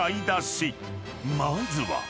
［まずは］